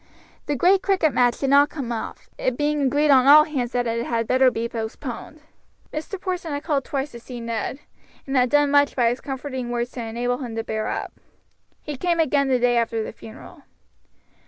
The great cricket match did not come off, it being agreed on all hands that it had better be postponed. Mr. Porson had called twice to see Ned, and had done much by his comforting words to enable him to bear up. He came again the day after the funeral.